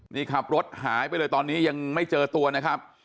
นี่ขับรถหายไปเลยตอนนี้ยังไม่เจอตัวนะครับ